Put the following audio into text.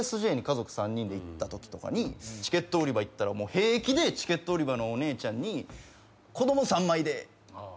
ＵＳＪに家族３人で行ったときとかにチケット売り場行ったら平気でチケット売り場のお姉ちゃんに「子供３枚で」